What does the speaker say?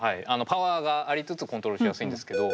パワーがありつつコントロールしやすいんですけど。